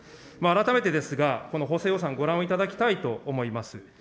改めてですが、この補正予算、ご覧をいただきたいと思います。